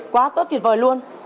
quá tốt tuyệt vời luôn